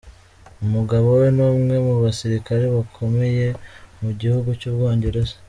Umugabo we n’umwe mu basirikare bakomeye mu gihugu cy’Ubwongereza.